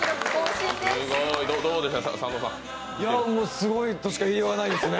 すごいとしか言いようがないですね。